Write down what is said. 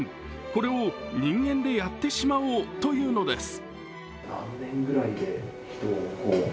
これを人間でやってしまおうというのです。